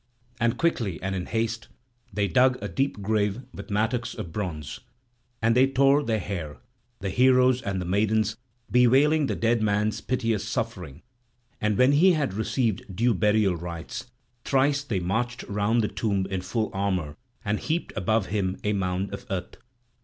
And quickly and in haste they dug a deep grave with mattocks of bronze; and they tore their hair, the heroes and the maidens, bewailing the dead man's piteous suffering; and when he had received due burial rites, thrice they marched round the tomb in full armour, and heaped above him a mound of earth.